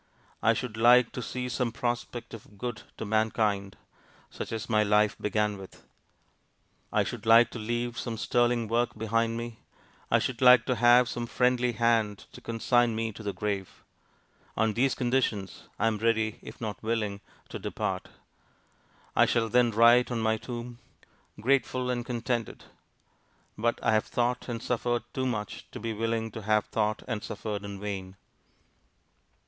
I should like to see some prospect of good to mankind, such as my life began with. I should like to leave some sterling work behind me. I should like to have some friendly hand to consign me to the grave. On these conditions I am ready, if not willing, to depart. I shall then write on my tomb GRATEFUL AND CONTENTED! But I have thought and suffered too much to be willing to have thought and suffered in vain.